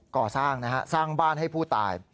ก่อสร้างนะฮะสร้างบ้านให้ผู้ตาย